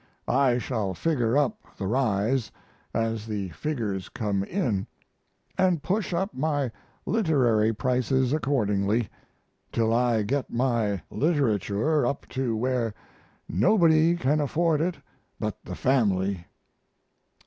I shall figure up the rise, as the figures come in, and push up my literary prices accordingly, till I get my literature up to where nobody can afford it but the family.